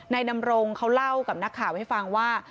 ดำรงเขาเล่ากับนักข่าวให้ฟังว่า